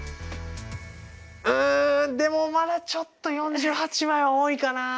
うんでもまだちょっと４８枚は多いかな。